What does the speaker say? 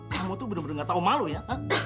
kamu itu benar benar tidak tahu malu ya